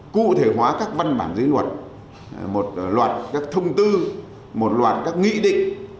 cụ thể hóa các văn bản dưới luật một loạt các thông tư một loạt các nghị định